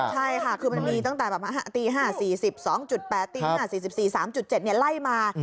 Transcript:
ใช่ค่ะคือมันมีตั้งแต่ตี๕๔๒๘ตี๕๔๔๓๗ไล่มา